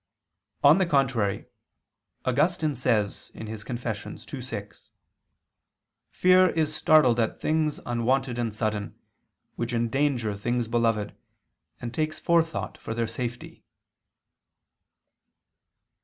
On the contrary, Augustine says (Confess. ii, 6): "Fear is startled at things unwonted and sudden, which endanger things beloved, and takes forethought for their safety."